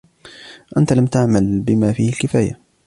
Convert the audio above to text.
أنت لم تعمل بما فيه الكفاية.